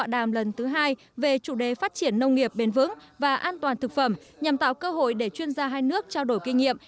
đàm lần thứ hai về chủ đề phát triển nông nghiệp bền vững và an toàn thực phẩm nhằm tạo cơ hội để chuyên gia hai nước trao đổi kinh nghiệm